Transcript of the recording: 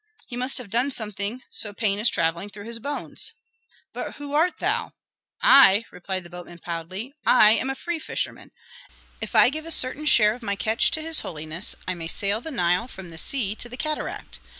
"He must have done something, so pain is travelling through his bones." "But who art thou?" "I?" replied the boatman, proudly. "I am a free fisherman. If I give a certain share of my catch to his holiness, I may sail the Nile from the sea to the cataract.